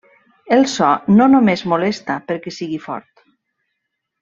El so no només molesta perquè sigui fort.